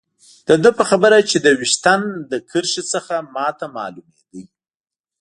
د ده په خبره چې د ویشتن له کرښې څخه ما ته معلومېده.